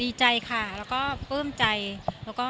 ดีใจค่ะแล้วก็ปลื้มใจแล้วก็